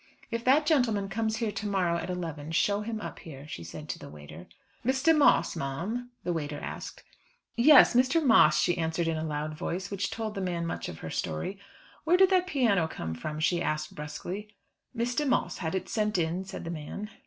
"If that gentleman comes here to morrow at eleven, show him up here," she said to the waiter. "Mr. Moss, ma'am?" the waiter asked. "Yes, Mr. Moss," she answered in a loud voice, which told the man much of her story. "Where did that piano come from?" she asked brusquely. "Mr. Moss had it sent in," said the man.